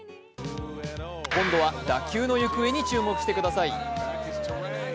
今度は打球の行方に注目してください。